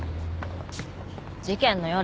事件の夜。